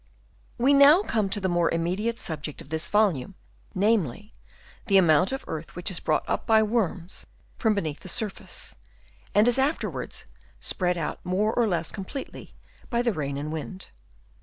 We now come to the more immediate subject of this volume, namely, the amount of earth which is brought up by worms from beneath the surface, and is afterwards spread out more or less completely by the rain and wind.